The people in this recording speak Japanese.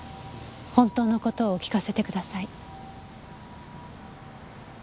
本当の事を聞かせてください。